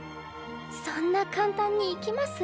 そんな簡単にいきます？